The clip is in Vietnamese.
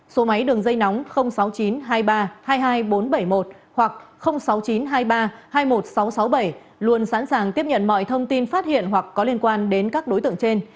số máy đường dây nóng sáu mươi chín hai mươi ba hai mươi hai nghìn bốn trăm bảy mươi một hoặc sáu mươi chín hai mươi ba hai mươi một nghìn sáu trăm sáu mươi bảy luôn sẵn sàng tiếp nhận mọi thông tin phát hiện hoặc có liên quan đến các đối tượng trên